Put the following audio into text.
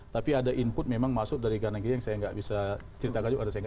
tapi ada input memang masuk dari kanan kiri yang saya enggak bisa cerita